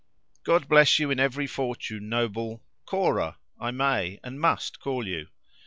God bless you in every fortune, noble—Cora—I may and must call you."